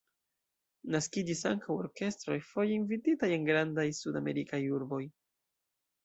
Naskiĝis ankaŭ orkestroj, foje invititaj en grandaj Sudamerikaj urboj.